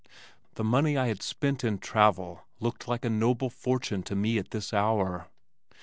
The money I had spent in travel looked like a noble fortune to me at this hour.